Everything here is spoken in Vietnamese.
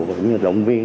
và cũng như động viên